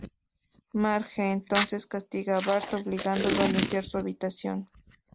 Marge, entonces, castiga a Bart, obligándolo a limpiar su habitación.